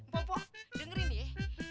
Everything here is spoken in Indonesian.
poh poh dengerin nih ya